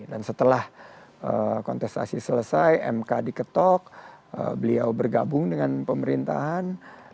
dan setelah kontestasi selesai mk diketok beliau bergabung dengan pemerintahan